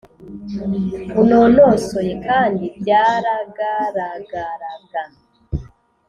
bunonosoye kandi byaragaragaraga.